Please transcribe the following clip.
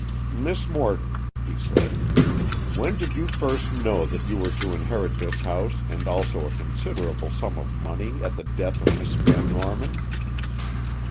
"Miss Morton," he said, "when did you first know that you were to inherit this house and also a considerable sum of money at the death of Miss Van Norman?"